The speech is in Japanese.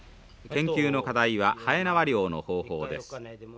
研究の課題ははえなわ漁の方法です。